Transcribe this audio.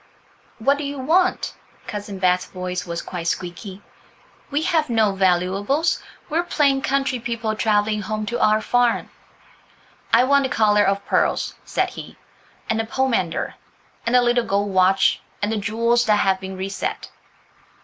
"What do you want?" Cousin Bet's voice was quite squeaky. "We have no valuables; we are plain country people, travelling home to our farm." "I want the collar of pearls," said he, "and the pomander, and the little gold watch, and the jewels that have been reset."